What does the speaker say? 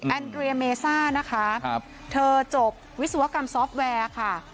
เรียเมซ่านะคะเธอจบวิศวกรรมซอฟต์แวร์ค่ะ